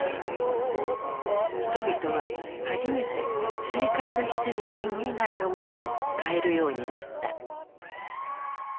人々は初めて生活必需品以外のものを買えるようになった。